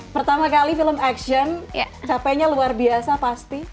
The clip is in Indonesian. pertama kali film action capeknya luar biasa pasti